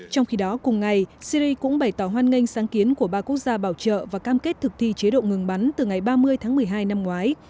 trong khi đó cùng ngày syri cũng bày tỏ hoan nghênh sáng kiến của ba quốc gia bảo trợ và cam kết thực thi chế độ ngừng bắn từ ngày ba mươi tháng một mươi hai năm ngoái